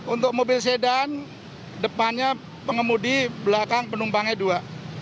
untuk mobil sedan depannya pengemudi belakang penumpangnya dua